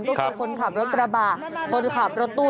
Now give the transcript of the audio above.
ก็คือคนขับรถกระบะคนขับรถตู้